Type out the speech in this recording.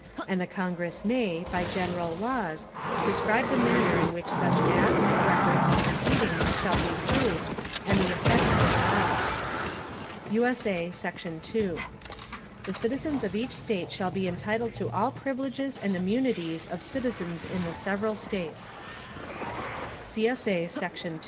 And the Congress may, by general laws, prescribe the manner in which such acts, records, and proceedings shall be proved, and the effect thereof. [USA] Section 2. The Citizens of each State shall be entitled to all Privileges and Immunities of Citizens in the several States. [CSA] Section 2.